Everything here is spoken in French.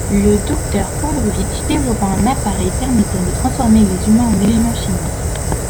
Le docteur Khandruvitch développa un appareil permettant de transformer les humains en éléments chimiques.